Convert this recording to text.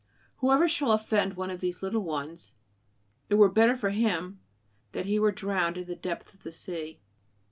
"Whoever shall offend one of these little ones, it were better for him ... that he were drowned in the depth of the sea."